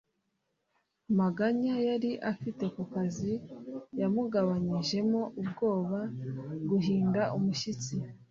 Amaganya yari afite ku kazi yamugabanyijemo ubwoba / guhinda umushyitsi